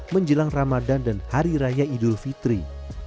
menjelang ramadan dan hari raya idul fitri